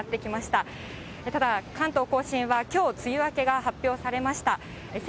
ただ、関東甲信はきょう、梅雨明けが発表されました。